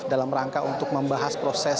dalam rangka untuk membahas proses